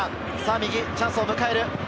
右、チャンスを迎える。